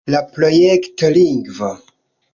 La projekto lingvo.